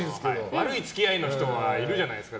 悪い付き合いの人はいるじゃないですか。